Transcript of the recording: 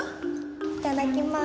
いただきまーす。